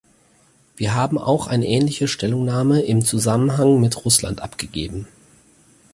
Wir haben auch eine ähnliche Stellungnahme im Zusammenhang mit Russland abgegeben.